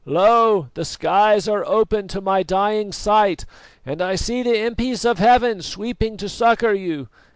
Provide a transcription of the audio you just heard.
"Lo! the skies are open to my dying sight, and I see the impis of Heaven sweeping to succour you.